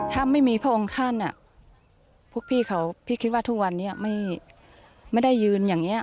ถ้าไม่มีพระองค์ท่านพวกพี่เขาพี่คิดว่าทุกวันนี้ไม่ได้ยืนอย่างนี้